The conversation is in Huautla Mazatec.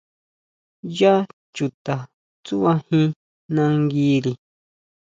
¿ʼYá chuta tsuʼbajín nanguiri?